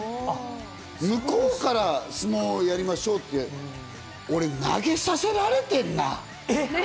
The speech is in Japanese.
向こうから相撲やりましょうって、俺投げさせられてんな。